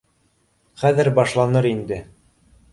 Хәҙер башланыр инде